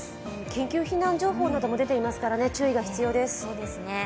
緊急避難情報なども出ているので注意が必要です。